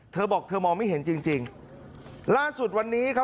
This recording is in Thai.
เธอบอกเธอมองไม่เห็นจริงจริงล่าสุดวันนี้ครับ